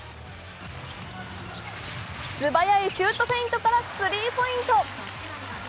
素早いシュートフェイントからスリーポイント。